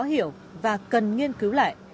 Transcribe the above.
hiểu và cần nghiên cứu lại